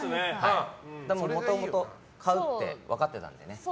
もともと買うって分かってたので。